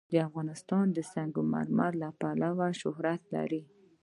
افغانستان د سنگ مرمر له امله شهرت لري.